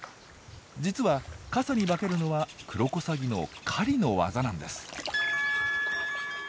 実は傘に化けるのはクロコサギの狩りの技なんです。